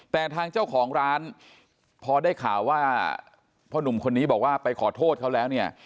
แต่ทางเจ้าของร้านพอได้ข่าวว่าพ่อหนุ่มคนนี้บอกว่าไปขอโทษเขาแล้วเนี่ย